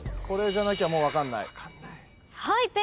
これじゃなきゃもう分かんない。